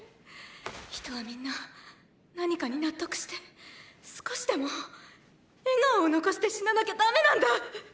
人はみんな何かに納得して少しでも笑顔を遺して死ななきゃだめなんだ！